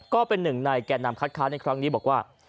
ก็เป็นหนึ่งในแก่นำคัดค้านในครั้งนี้บอกว่า